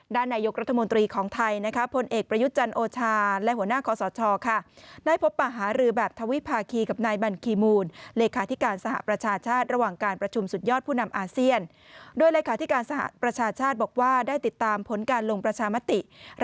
ด้านไนโยครัฐมนตรีของไทยพลเอกปริยุทธ์จันโอชาและหัวหน้าของสชได้พบประหารือแบบธวิภาคี